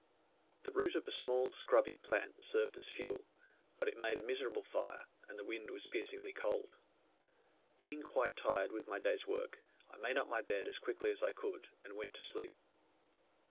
The root of a small scrubby plant served as fuel, but it made a miserable fire, and the wind was piercingly cold. Being quite tired with my days work, I made up my bed as quickly as I could, and went to sleep.